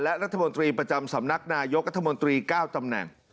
และรัฐมนตรีประจำสำนักนายกรัฐมนตรี๙ตำแหน่ง